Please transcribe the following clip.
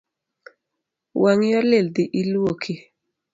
Wang’i olil dhi iluoki